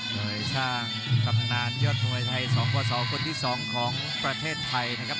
โดยสร้างตำนานยอดมวยไทย๒คศคนที่๒ของประเทศไทยนะครับ